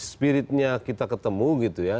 spiritnya kita ketemu gitu ya